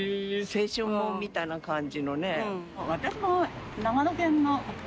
青春みたいな感じのね。